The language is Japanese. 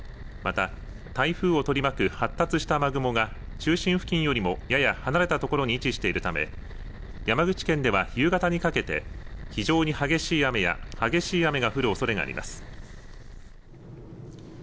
また、台風を取り巻く発達した雨雲が中心付近よりもやや離れたところに位置しているため山口県では夕方にかけて非常に激しい雨や激しい雨が降るおそれがあります。